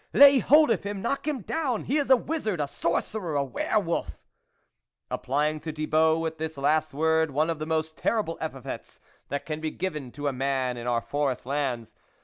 " Lay hold of him ! knock him down ! he is a wizard, a sorcerer ! a were wolf!" applying to Thibault with this last word, one of the most terrible epithets that can be given to a man in our forest lands.